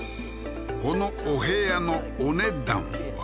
このお部屋のお値段は？